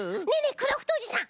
クラフトおじさん。